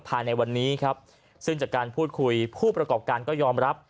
ภายในวันนี้ครับซึ่งจากการพูดคุยผู้ประกอบการก็ยอมรับ